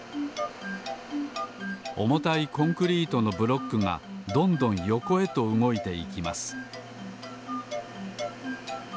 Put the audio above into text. おもたいコンクリートのブロックがどんどんよこへとうごいていきます